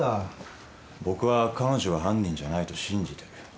僕は「彼女は犯人じゃない」と信じている。